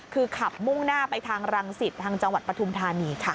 คือขับมุ่งหน้าไปทางรังสิตทางจังหวัดปฐุมธานีค่ะ